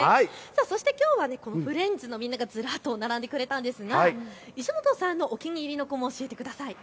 そしてきょうはこのフレンズのみんながずらっと並んでくれたんですが、石本さんのお気に入りの子も教えてください。